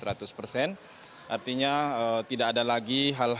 artinya tidak ada lagi hal hal